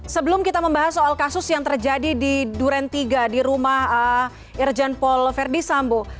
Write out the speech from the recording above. sebelum kita membahas soal kasus yang terjadi di duren tiga di rumah irjen paul verdi sambo